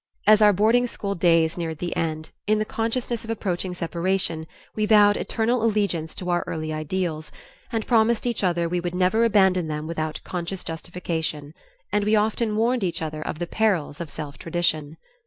As our boarding school days neared the end, in the consciousness of approaching separation we vowed eternal allegiance to our "early ideals," and promised each other we would "never abandon them without conscious justification," and we often warned each other of "the perils of self tradition."